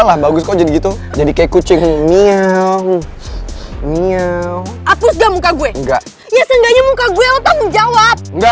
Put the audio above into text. sampai jumpa di video selanjutnya